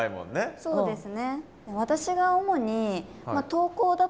そうですね。